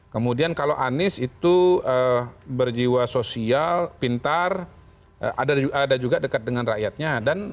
kemudian kalau anies itu berjiwa sosial pintar ada juga dekat dengan rakyatnya